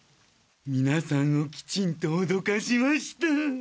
皆さんをきちんと脅かしました。